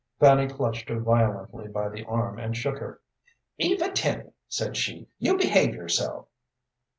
Fanny clutched her violently by the arm and shook her. "Eva Tenny," said she, "you behave yourself.